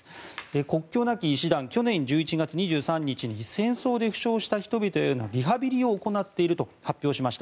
国境なき医師団は去年１１月２３日に戦争で負傷した人々へのリハビリを行っていると発表しました。